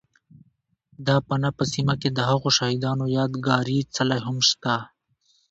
، د پنه په سیمه کې دهغو شهید انو یاد گاري څلی هم شته